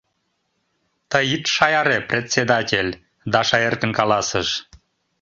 — Тый ит шаяре, председатель, — Даша эркын каласыш.